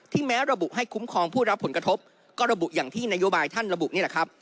แม้ระบุให้คุ้มครองผู้รับผลกระทบก็ระบุอย่างที่นโยบายท่านระบุนี่แหละครับ